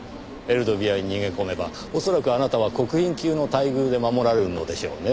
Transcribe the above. エルドビアに逃げ込めば恐らくあなたは国賓級の待遇で守られるのでしょうねぇ。